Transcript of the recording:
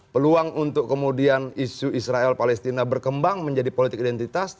peluang untuk kemudian isu israel palestina berkembang menjadi politik identitas